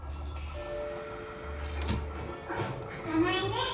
うんあかないね。